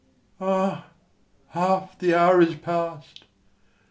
] Ah, half the hour is past!